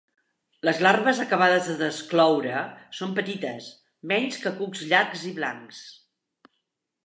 Les larves acabades de descloure són petites, menys que cucs llargs i blancs.